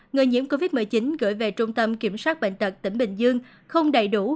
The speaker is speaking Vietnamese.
người nhiễm covid một mươi chín gửi về trung tâm kiểm soát bệnh tật tỉnh bình dương không đầy đủ